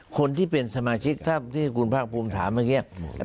คนที่เป็นสมาชิกถ้าที่คุณภาคภูมิถามเมื่อกี้